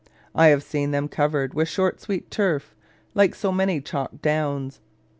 I have seen them covered with short sweet turf, like so many chalk downs.